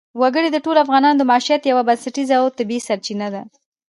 وګړي د ټولو افغانانو د معیشت یوه بنسټیزه او طبیعي سرچینه ده.